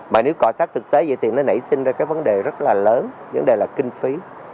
mà nếu cọ sát thực tế vậy thì nó nảy sinh ra cái vấn đề rất là lớn vấn đề là kinh phí